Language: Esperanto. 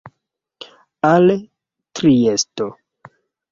Al Triesto.